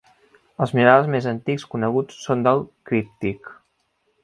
Els minerals més antics coneguts són del Críptic.